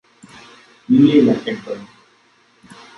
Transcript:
Newly elected Gov.